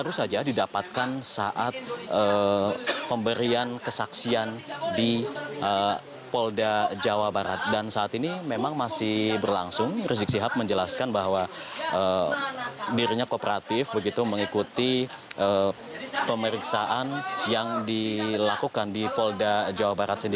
rizik shihab berkata